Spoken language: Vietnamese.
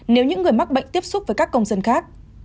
nếu những người mắc bệnh tiếp xúc với các công dân khác